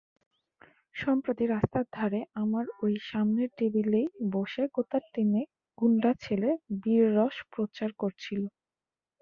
সম্প্রতি রাস্তার ধারে আমার ওই সামনের টেবিলেই বসে গোটাতিনেক গুণ্ডা ছেলে বীররস প্রচার করছিল।